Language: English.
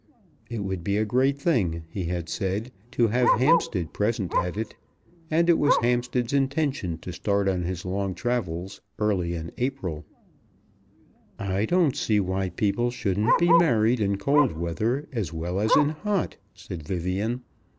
It would be a great thing, he had said, to have Hampstead present at it, and it was Hampstead's intention to start on his long travels early in April. "I don't see why people shouldn't be married in cold weather as well as in hot," said Vivian.